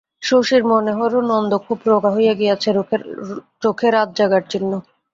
শশীর মনে হইর, নন্দ খুব রোগা হইয়া গিয়াছে, চোখে রাতজাগার চিহ্ন।